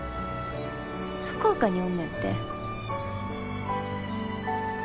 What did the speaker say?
福岡におんねんて。